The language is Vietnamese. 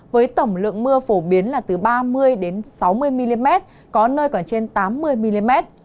với tổng lượng mưa phổ biến là từ ba mươi sáu mươi mm có nơi còn trên tám mươi mm